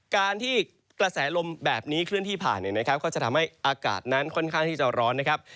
กระแสลมแบบนี้เคลื่อนที่ผ่านเขาจะทำให้อากาศนั้นค่อนข้างที่จะร้อนนะครับ